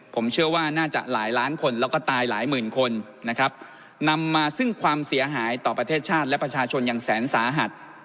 ผมเชื่อว่าน่าจะหลายล้านคนแล้วก็ตายหลายหมื่นคนนะครับนำมาซึ่งความเสียหายต่อประเทศชาติและประชาชนอย่างแสนสาหัส